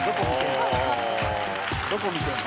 どこ見てるの？